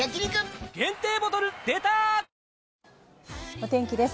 お天気です。